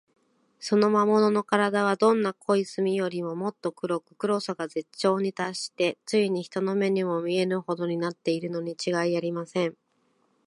その魔物のからだは、どんな濃い墨よりも、もっと黒く、黒さが絶頂にたっして、ついに人の目にも見えぬほどになっているのにちがいありません。